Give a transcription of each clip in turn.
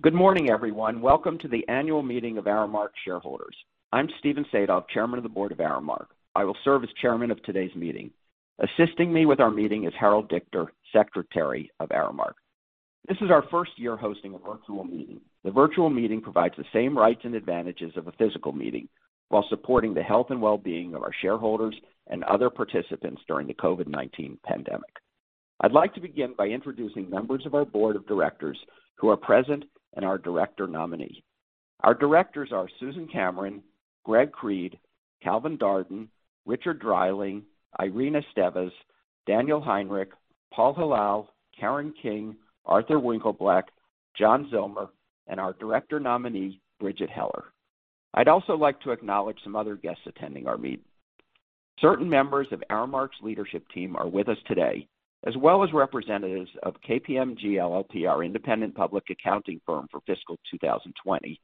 Good morning, everyone. Welcome to the annual meeting of Aramark shareholders. I'm Stephen Sadove, Chairman of the Board of Aramark. I will serve as Chairman of today's meeting. Assisting me with our meeting is Harold Dichter, Secretary of Aramark. This is our first year hosting a virtual meeting. The virtual meeting provides the same rights and advantages of a physical meeting while supporting the health and well-being of our shareholders and other participants during the COVID-19 pandemic. I'd like to begin by introducing members of our Board of Directors who are present and our Director Nominees. Our Directors are Susan Cameron, Greg Creed, Calvin Darden, Richard Dreiling, Irene Esteves, Daniel Heinrich, Paul Hilal, Karen King, Arthur Winkleblack, John Zillmer, and our Director Nominee, Bridgette Heller. I'd also like to acknowledge some other guests attending our meeting. Certain members of Aramark's leadership team are with us today, as well as representatives of KPMG LLP, our independent public accounting firm for fiscal 2020,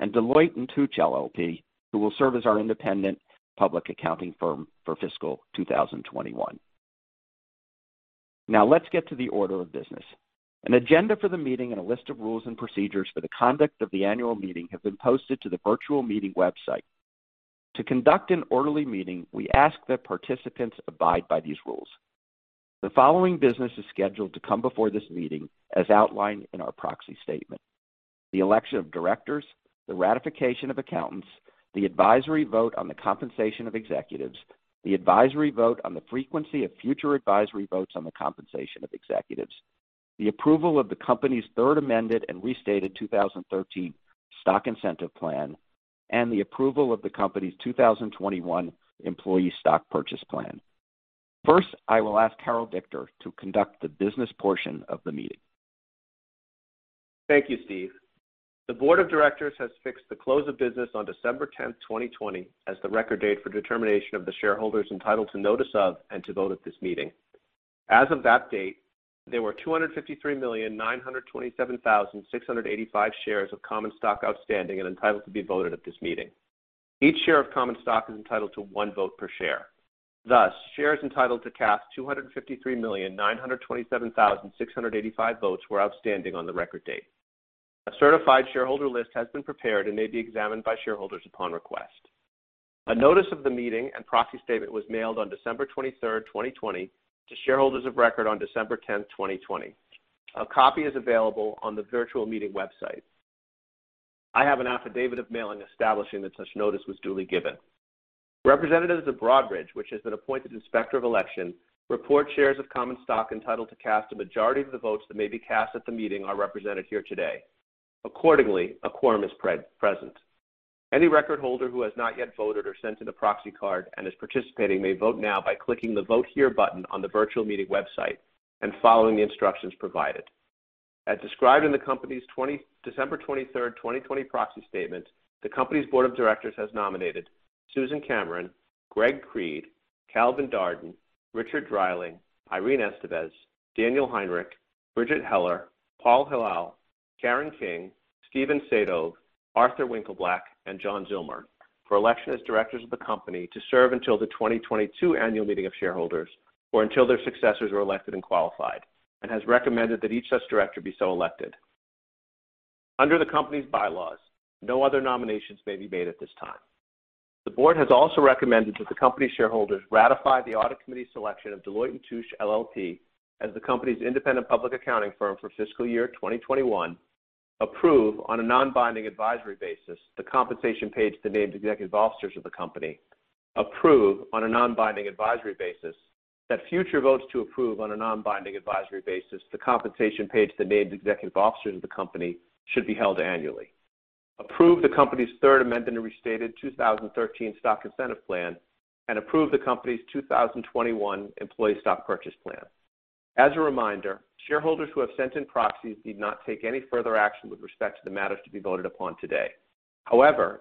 and Deloitte & Touche LLP, who will serve as our independent public accounting firm for fiscal 2021. Now let's get to the order of business. An agenda for the meeting and a list of rules and procedures for the conduct of the annual meeting have been posted to the virtual meeting website. To conduct an orderly meeting, we ask that participants abide by these rules. The following business is scheduled to come before this meeting as outlined in our proxy statement: the election of directors, the ratification of accountants, the advisory vote on the compensation of executives, the advisory vote on the frequency of future advisory votes on the compensation of executives, the approval of the company's Third Amended and Restated 2013 Stock Incentive Plan, and the approval of the company's 2021 Employee Stock Purchase Plan. First, I will ask Harold Dichter to conduct the business portion of the meeting. Thank you, Steve. The board of directors has fixed the close of business on December 10th, 2020, as the record date for determination of the shareholders entitled to notice of and to vote at this meeting. As of that date, there were 253,927,685 shares of common stock outstanding and entitled to be voted at this meeting. Each share of common stock is entitled to one vote per share. Thus, shares entitled to cast 253,927,685 votes were outstanding on the record date. A certified shareholder list has been prepared and may be examined by shareholders upon request. A notice of the meeting and proxy statement was mailed on December 23rd, 2020, to shareholders of record on December 10th, 2020. A copy is available on the virtual meeting website. I have an affidavit of mailing establishing that such notice was duly given. Representatives of Broadridge, which has been appointed inspector of election, report shares of common stock entitled to cast a majority of the votes that may be cast at the meeting are represented here today. Accordingly, a quorum is present. Any record holder who has not yet voted or sent in a proxy card and is participating may vote now by clicking the Vote Here button on the virtual meeting website and following the instructions provided. As described in the company's December 23rd, 2020 proxy statement, the company's board of directors has nominated Susan Cameron, Greg Creed, Calvin Darden, Richard Dreiling, Irene Esteves, Daniel Heinrich, Bridgette Heller, Paul Hilal, Karen King, Steve Sadove, Arthur Winkleblack, and John Zillmer for election as directors of the company to serve until the 2022 annual meeting of shareholders or until their successors are elected and qualified and has recommended that each such director be so elected. Under the company's bylaws, no other nominations may be made at this time. The board has also recommended that the company's shareholders ratify the Audit Committee selection of Deloitte & Touche LLP as the company's independent public accounting firm for fiscal year 2021, approve on a non-binding advisory basis the compensation paid to the named executive officers of the company, approve on a non-binding advisory basis that future votes to approve on a non-binding advisory basis the compensation paid to the named executive officers of the company should be held annually, approve the company's Third Amended and Restated 2013 Stock Incentive Plan, and approve the company's 2021 Employee Stock Purchase Plan. As a reminder, shareholders who have sent in proxies need not take any further action with respect to the matters to be voted upon today.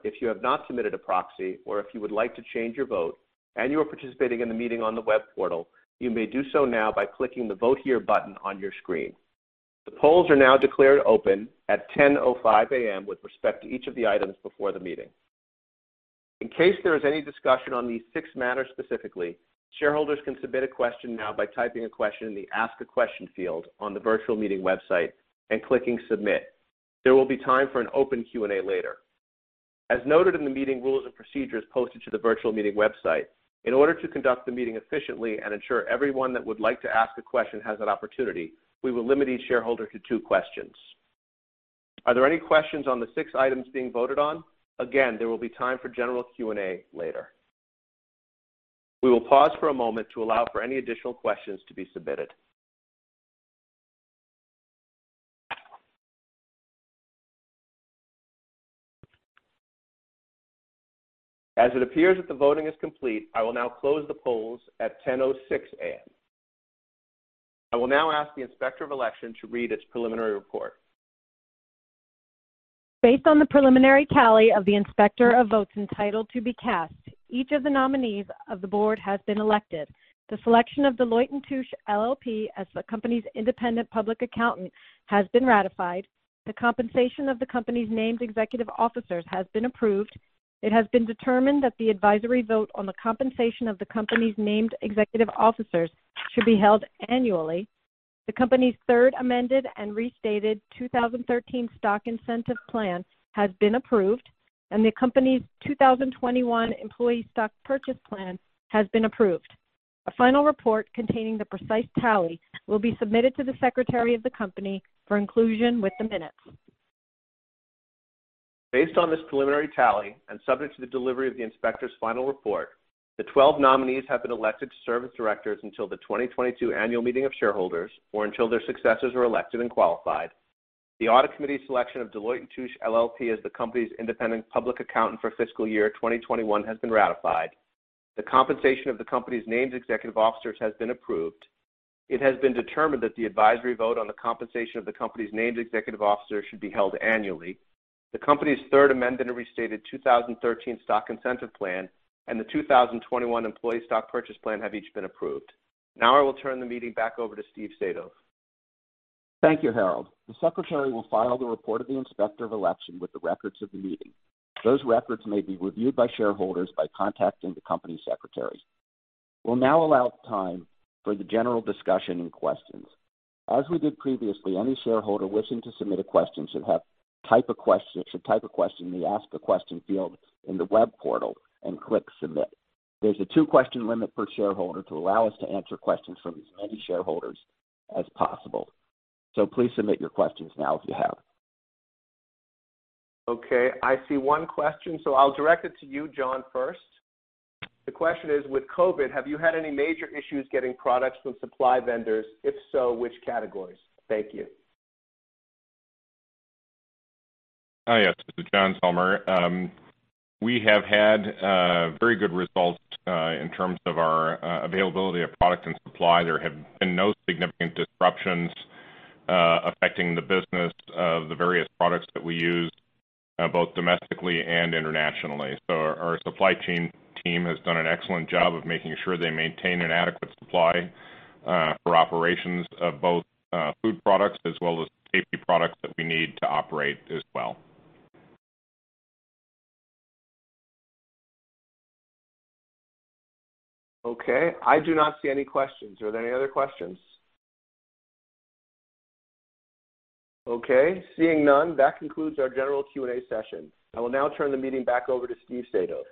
If you have not submitted a proxy or if you would like to change your vote and you are participating in the meeting on the web portal, you may do so now by clicking the Vote Here button on your screen. The polls are now declared open at 10:05 A.M. with respect to each of the items before the meeting. In case there is any discussion on these six matters specifically, shareholders can submit a question now by typing a question in the Ask a Question field on the virtual meeting website and clicking Submit. There will be time for an open Q&A later. As noted in the meeting rules and procedures posted to the virtual meeting website, in order to conduct the meeting efficiently and ensure everyone that would like to ask a question has an opportunity, we will limit each shareholder to two questions. Are there any questions on the six items being voted on? There will be time for general Q&A later. We will pause for a moment to allow for any additional questions to be submitted. As it appears that the voting is complete, I will now close the polls at 10:06 A.M. I will now ask the inspector of election to read its preliminary report. Based on the preliminary tally of the inspector of votes entitled to be cast, each of the nominees of the board has been elected. The selection of Deloitte & Touche LLP as the company's independent public accountant has been ratified. The compensation of the company's named executive officers has been approved. It has been determined that the advisory vote on the compensation of the company's named executive officers should be held annually. The company's Third Amended and Restated 2013 Stock Incentive Plan has been approved, and the company's 2021 Employee Stock Purchase Plan has been approved. A final report containing the precise tally will be submitted to the Secretary of the company for inclusion with the minutes. Based on this preliminary tally and subject to the delivery of the inspector's final report, the 12 nominees have been elected to serve as directors until the 2022 annual meeting of shareholders or until their successors are elected and qualified. The audit committee selection of Deloitte & Touche LLP as the company's independent public accountant for fiscal year 2021 has been ratified. The compensation of the company's named executive officers has been approved. It has been determined that the advisory vote on the compensation of the company's named executive officers should be held annually. The company's Third Amended and Restated 2013 Stock Incentive Plan and the 2021 Employee Stock Purchase Plan have each been approved. Now I will turn the meeting back over to Steve Sadove. Thank you, Harold. The Secretary will file the report of the Inspector of Election with the records of the meeting. Those records may be reviewed by shareholders by contacting the company Secretary. We'll now allow time for the general discussion and questions. As we did previously, any shareholder wishing to submit a question should type a question in the Ask a Question field in the web portal and click Submit. There's a two-question limit per shareholder to allow us to answer questions from as many shareholders as possible. Please submit your questions now if you have them. Okay, I see one question, so I'll direct it to you, John, first. The question is, with COVID, have you had any major issues getting products from supply vendors? If so, which categories? Thank you. Yes. This is John Zillmer. We have had very good results in terms of our availability of product and supply. There have been no significant disruptions affecting the business of the various products that we use, both domestically and internationally. Our supply team has done an excellent job of making sure they maintain an adequate supply for operations of both food products as well as safety products that we need to operate as well. Okay. I do not see any questions. Are there any other questions? Okay, seeing none, that concludes our general Q&A session. I will now turn the meeting back over to Steve Sadove.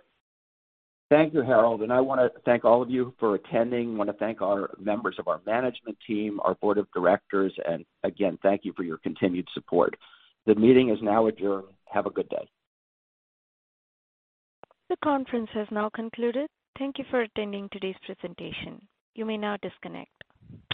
Thank you, Harold. I want to thank all of you for attending. I want to thank our members of our management team, our board of directors, and again, thank you for your continued support. The meeting is now adjourned. Have a good day. The conference has now concluded. Thank you for attending today's presentation. You may now disconnect.